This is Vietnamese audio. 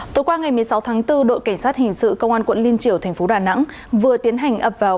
tối qua ngày một mươi sáu tháng bốn đội cảnh sát hình sự công an quận liên triều thành phố đà nẵng vừa tiến hành ập vào